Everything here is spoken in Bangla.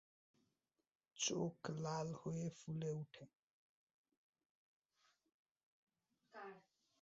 চোখ লাল হয়ে ফুলে উঠে।